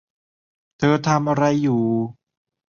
เธอทำอะไรอยู่